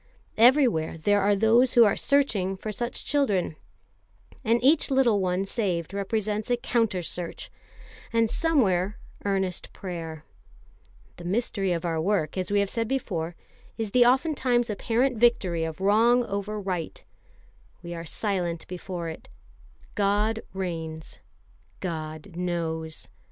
Everywhere there are those who are searching for such children; and each little one saved represents a counter search, and somewhere, earnest prayer. The mystery of our work, as we have said before, is the oftentimes apparent victory of wrong over right. We are silent before it. God reigns; God knows.